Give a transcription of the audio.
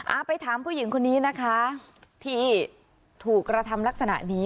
เอาไปถามผู้หญิงคนนี้นะคะที่ถูกกระทำลักษณะนี้